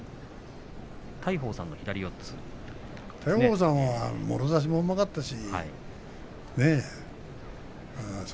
大鵬さんはもろ差しもうまかったし。